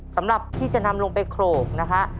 สำหรับที่จะนำลงไปโขลกนะฮะ